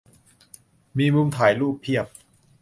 มีมุมถ่ายรูปเพียบ